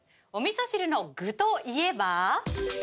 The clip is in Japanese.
お味噌汁の具といえば？